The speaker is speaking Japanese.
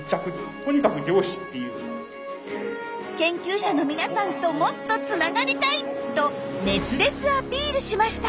研究者の皆さんともっとつながりたいと熱烈アピールしました。